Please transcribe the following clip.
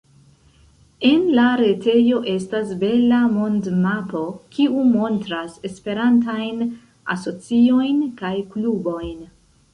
En la retejo estas bela mond-mapo, kiu montras Esperantajn asociojn kaj klubojn.